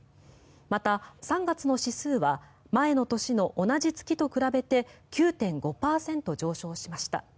また、３月の指数は前の年の同じ月と比べて９．５％上昇しました。